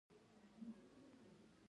عمل یې باید زموږ له عقایدو سره سم وي.